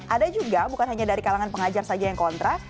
ada juga bukan hanya dari kalangan pengajar saja yang kontra